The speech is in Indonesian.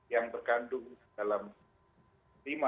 yang terkandung dalam